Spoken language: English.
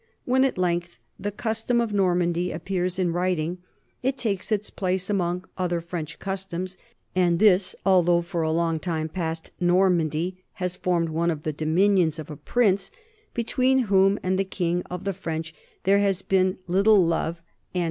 When at length the 'custom' of Normandy appears in writing, it takes its place among other French customs, and this although for a long time past Normandy has formed one of the dominions of a prince, between whom and the king of the French there has been little love and 1 Pollock and Maitland, History of English Law, I, p.